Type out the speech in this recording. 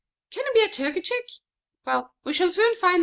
Can it be a young turkey cock? Well, we shall soon find out.